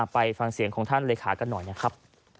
ไปฟังเสียงของท่านเลขากันหน่อยนะครับ